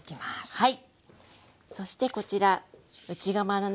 はい。